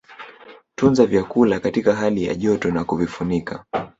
Tunza vyakula katika hali ya joto na kuvifunika